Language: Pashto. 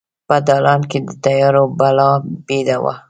په دالان کې د تیارو بلا بیده وه